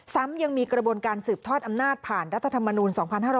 ซ้ำยังมีกระบวนการสืบทอดอำนาจผ่านรัฐธรรมนูล๒๕๖๐